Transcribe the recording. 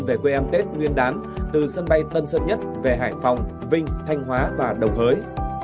trong tết nguyên đán từ sân bay tân sơn nhất về hải phòng vinh thanh hóa và đồng hới